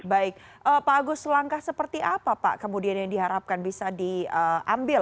baik pak agus langkah seperti apa pak kemudian yang diharapkan bisa diambil